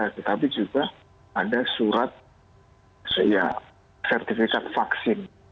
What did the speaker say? tetapi juga ada surat sertifikat vaksin